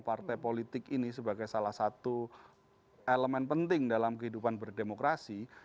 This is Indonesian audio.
partai politik ini sebagai salah satu elemen penting dalam kehidupan berdemokrasi